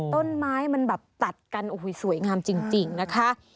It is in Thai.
ต้นไม้มันแบบตัดกันโอ้โหสวยงามจริงนะคะ